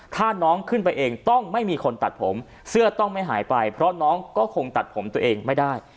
ถ้าน้องขึ้นไปเองต้องไม่มีคนตัดผมเสื้อต้องไม่หายไปเพราะน้องก็คงตัดผมตัวเองไม่ได้